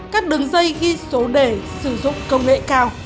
các đường dây ghi số đề sử dụng công nghệ cao